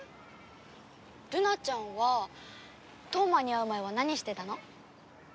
ルナちゃんは飛羽真に会う前は何してたの？